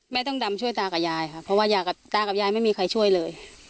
ต้องดำช่วยตากับยายค่ะเพราะว่ายายกับตากับยายไม่มีใครช่วยเลย